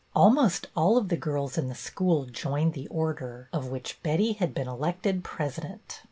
Almost all of the girls in the school joined the Order, of which Betty had been elected President.